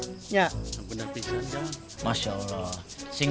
benar benar benar masya allah